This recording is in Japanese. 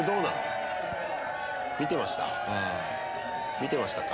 見てましたか？